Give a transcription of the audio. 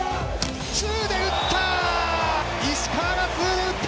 ツーで打った。